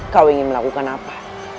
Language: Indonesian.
kau ingin melakukan apa